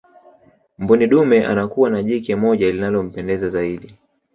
mbuni dume anakuwa na jike moja linalompendeza zaidi